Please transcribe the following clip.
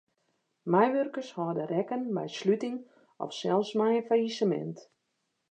Meiwurkers hâlde rekken mei sluting of sels mei in fallisemint.